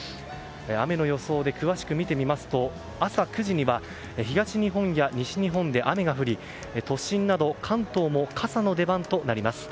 雨の予想で詳しく見てみますと朝９時には東日本や西日本で雨が降り都心など関東も傘の出番となります。